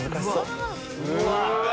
うわ！